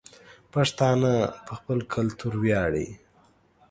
پښتانه په خپل کلتور وياړي